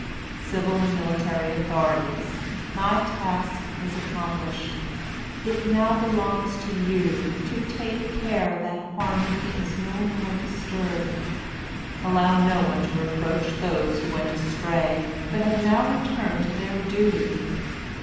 Civil and military authorities, my task is accomplished. It now belongs to you to take care that harmony is no more disturbed. Allow no one to reproach those who went astray, but have now returned to their duty.